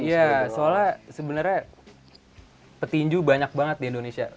iya soalnya sebenarnya petinju banyak banget di indonesia